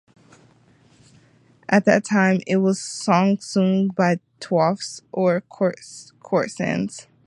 At that time, it was a song sung by twaifs or courtesans.